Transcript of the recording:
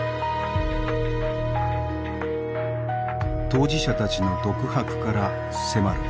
当事者たちの独白から迫る。